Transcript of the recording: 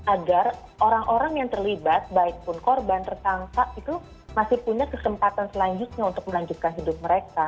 agar orang orang yang terlibat baik pun korban tersangka itu masih punya kesempatan selanjutnya untuk melanjutkan hidup mereka